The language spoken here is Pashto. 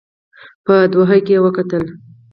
په دوحه کې وکتل.